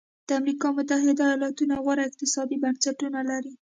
د امریکا متحده ایالتونو غوره اقتصادي بنسټونه لري.